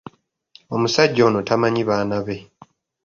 Omusajja ono tamanyi baana be.